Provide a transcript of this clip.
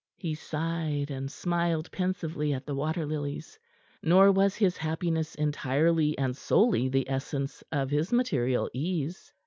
He sighed, and smiled pensively at the water lilies; nor was his happiness entirely and solely the essence of his material ease.